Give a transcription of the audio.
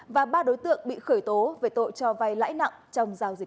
và ba đối tượng bị khởi tố